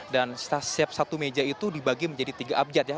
dan setiap satu meja itu dibagi menjadi tiga abjad ya